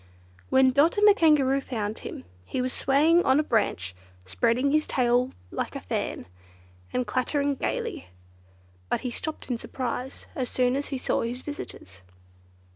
When Dot and the Kangaroo found him, he was swaying about on a branch, spreading his big tail like a fan, and clattering gaily; but he stopped in surprise as soon as he saw his visitors.